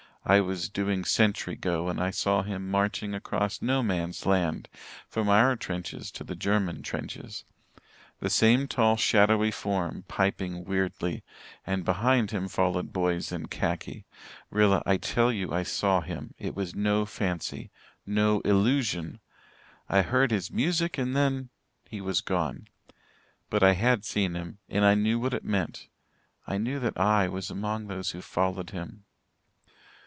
I was doing sentry go and I saw him marching across No man's land from our trenches to the German trenches the same tall shadowy form, piping weirdly and behind him followed boys in khaki. Rilla, I tell you I saw him it was no fancy no illusion. I heard his music, and then he was gone. But I had seen him and I knew what it meant I knew that I was among those who followed him.